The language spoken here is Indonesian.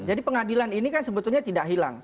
jadi pengadilan ini kan sebetulnya tidak hilang